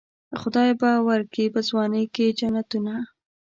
خدای به ورکي په ځوانۍ کې جنتونه.